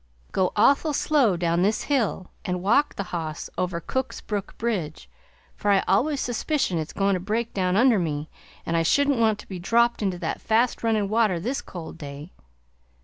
Go awful slow down this hill and walk the hoss over Cook's Brook bridge, for I always suspicion it's goin' to break down under me, an' I shouldn't want to be dropped into that fast runnin' water this cold day.